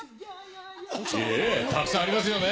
たくさんありますよね。